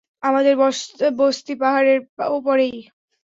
আমাদের বসতি পাহাড়ের ওপারেই।